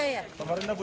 ke samarinda bu